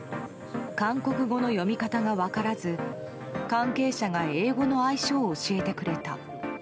韓国語の読み方が分からず関係者が英語の愛称を教えてくれた。